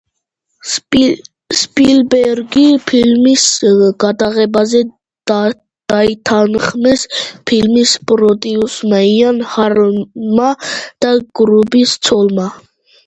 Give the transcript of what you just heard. სპილბერგი ფილმის გადაღებაზე დაითანხმეს ფილმის პროდიუსერმა, იან ჰარლანმა და კუბრიკის ცოლმა.